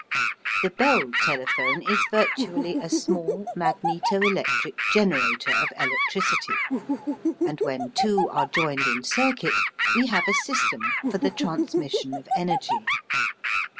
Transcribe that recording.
The Bell telephone is virtually a small magneto electric generator of electricity, and when two are joined in circuit we have a system for the transmission of energy.